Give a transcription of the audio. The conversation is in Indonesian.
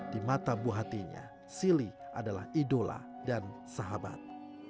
di mata buah hatinya silly adalah idola dan sahabat